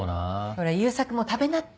ほら悠作も食べなって。